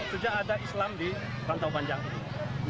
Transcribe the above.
sejak ada islam di rantau panjang itu